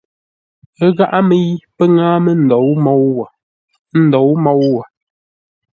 Ə́ gháʼá mə́i pə́ ŋáa mə́ ndǒu môu wə̂, ə́ ndǒu môu wə̂.